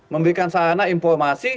memberikan sarana informasi